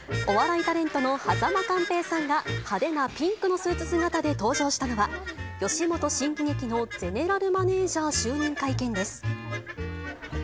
お笑いタレントの間寛平さんが、派手なピンクのスーツ姿で登場したのは、吉本新喜劇のゼネラルマネージャー就任会見です。